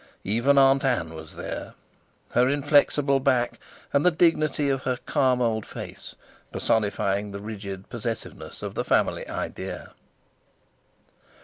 Even Aunt Ann was there; her inflexible back, and the dignity of her calm old face personifying the rigid possessiveness of the family idea.